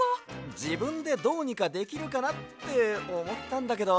じぶんでどうにかできるかなっておもったんだけど。